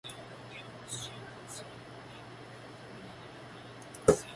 小蝸發現蓬蓬小球球的異樣